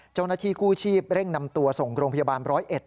เจ้าหน้าที่กู้ชีพเร่งนำตัวส่งโรงพยาบาลร้อยเอ็ด